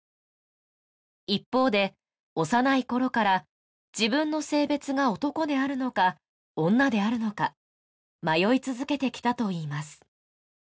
一方で幼いころから自分の性別が男であるのか女であるのか迷い続けてきたといいます